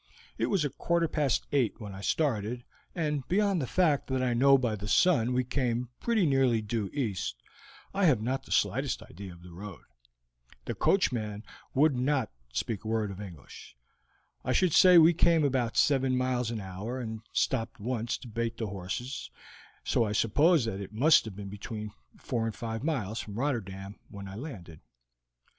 It was a quarter past eight when I started, and beyond the fact that I know by the sun we came pretty nearly due east, I have not the slightest idea of the road. The coachman could not speak a word of English. I should say we came about seven miles an hour and stopped once to bait the horses, so I suppose that it must have been between four and five miles from Rotterdam when I landed."